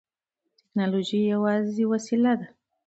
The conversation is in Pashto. ټیکنالوژي یوازې وسیله ده.